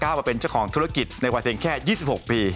ก้าวว่าเป็นเจ้าของธุรกิจในกว่าเต็มแค่๒๖ปี